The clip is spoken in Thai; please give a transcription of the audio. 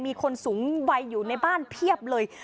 มีคนสูงวัยอยู่ในบ้านเพียบเลย